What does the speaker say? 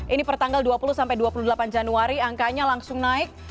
ini pertanggal dua puluh sampai dua puluh delapan januari angkanya langsung naik